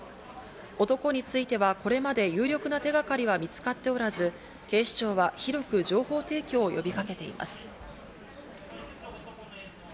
男についてはこれまで有力な手がかりは見つかっておらず、警視庁は広く情報提供を呼びかけています。